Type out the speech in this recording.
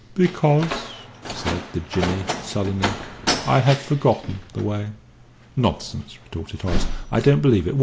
"Because," said the Jinnee, sullenly, "I have forgotten the way." "Nonsense!" retorted Horace; "I don't believe it.